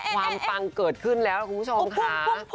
ปังเกิดขึ้นแล้วคุณผู้ชมค่ะ